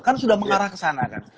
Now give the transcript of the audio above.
kan sudah mengarah ke sana kan